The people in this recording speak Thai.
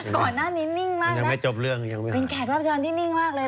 ก่อนหน้านี้นิ่งมากเลยเป็นแขกรับเชิญที่นิ่งมากเลย